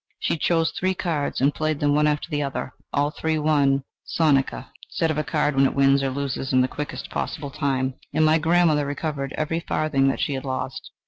She chose three cards and played them one after the other: all three won sonika, [Said of a card when it wins or loses in the quickest possible time.] and my grandmother recovered every farthing that she had lost."